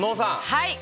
はい。